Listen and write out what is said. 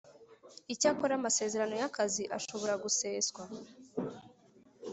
Icyakora amasezerano y akazi ashobora guseswa